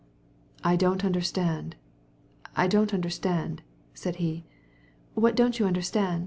"I don't understand it, I don't understand it," he said. "What don't you understand?"